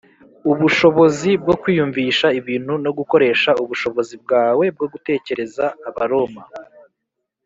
ubushobozi bwo kwiyumvisha ibintu no gukoresha ubushobozi bwawe bwo gutekereza Abaroma